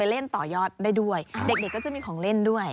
เล่นต่อยอดได้ด้วยเด็กก็จะมีของเล่นด้วย